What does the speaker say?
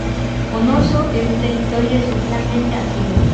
O noso é un territorio esencialmente ácido.